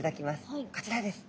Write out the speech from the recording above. こちらです。